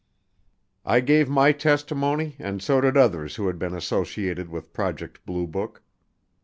I gave my testimony and so did others who had been associated with Project Blue Book.